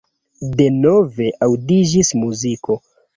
Denove aŭdiĝis muziko.